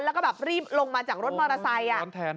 แล้วก็แบบรีบลงมาจากรถมอเตอร์ไซค์